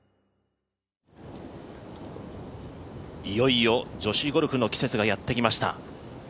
いよいよ、女子ゴルフの季節がやってきました。